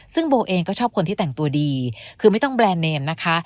ซึ่งโบเองก็ชอบคนที่แต่งตัวดีคือไม่ต้องแบรนด์เนมนะคะ